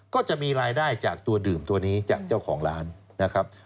ก็จะมีรายได้จากตัวดื่มตัวนี้จากเจ้าของร้านนะครับ